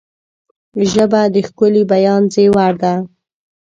ژبه د ښکلي بیان زیور ده